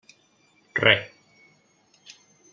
Re.